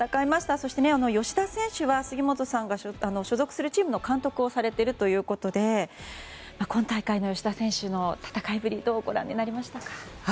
そして芳田選手は杉本さんが所属するチームの監督をされているということで今大会の芳田選手の戦いぶりどうご覧になりましたか。